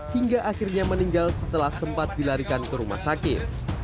hingga akhirnya meninggal setelah sempat dilarikan ke rumah sakit